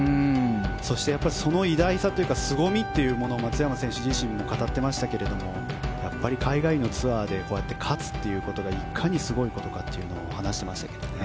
そしてその偉大さ、すごみを松山選手自身も語っていましたが海外のツアーでこうやって勝つということがいかにすごいことかというのを話していましたけどね。